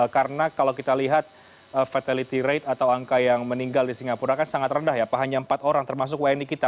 karena kalau kita lihat fatality rate atau angka yang meninggal di singapura kan sangat rendah ya hanya empat orang termasuk wni kita